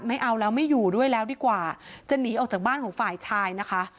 ไม่เอาแล้วไม่อยู่ด้วยแล้วดีกว่าจะหนีออกจากบ้านของฝ่ายชายนะคะ